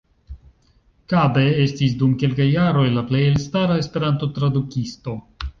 Kabe estis dum kelkaj jaroj la plej elstara Esperanto-tradukisto.